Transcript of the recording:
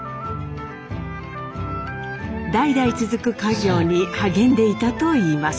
代々続く家業に励んでいたといいます。